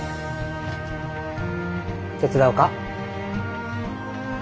手伝うか？